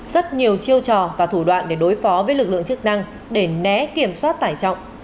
rất nhiều chiêu trò và thủ đoạn để đối phó với lực lượng chức năng để né kiểm soát tải trọng